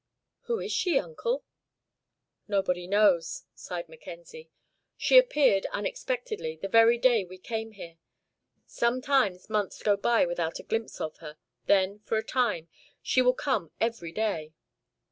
"Who is she, Uncle?" "Nobody knows," sighed Mackenzie. "She appeared, unexpectedly, the very day we came here. Sometimes months go by without a glimpse of her, then, for a time, she will come every day."